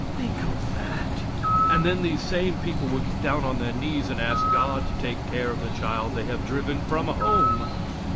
Think of that! And then these same people will get down on their knees and ask God to take care of the child they have driven from home.